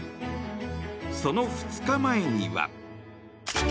その２日前には。